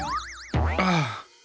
ああ。